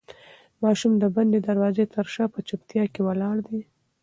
ماشوم د بندې دروازې تر شا په چوپتیا کې ولاړ دی.